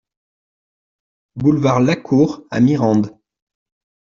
Boulevard Lascours à Mirande